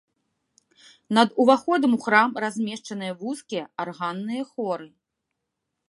Над уваходам у храм размешчаныя вузкія арганныя хоры.